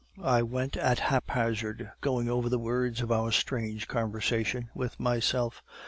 "I went at haphazard, going over the words of our strange conversation with myself.